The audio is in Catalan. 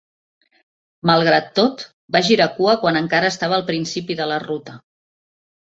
Malgrat tot, va girar cua quan encara estava al principi de la ruta.